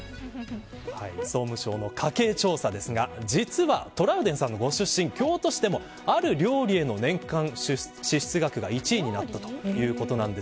総務省の家計調査ですが実はトラウデンさんのご出身京都市でもある料理への年間支出額が１位になったということです。